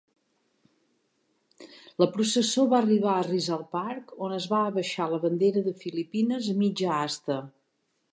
La processó va arribar a Rizal Park, on es va abaixar la bandera de Filipines a mitja asta.